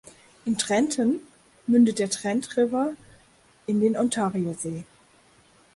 In Trenton mündet der Trent River in den Ontariosee.